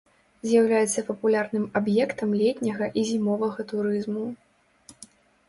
З'яўляецца папулярным аб'ектам летняга і зімовага турызму.